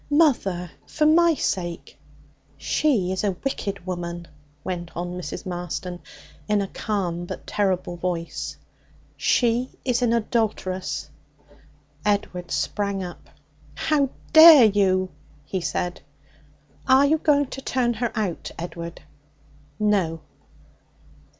'Mother! For my sake!' 'She is a wicked woman,' went on Mrs. Marston, in a calm but terrible voice; 'she is an adulteress.' Edward sprang up. 'How dare you!' he said. 'Are you going to turn her out, Edward?' 'No.'